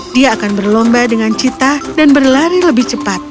dia akan berlomba dengan cita dan berlari lebih cepat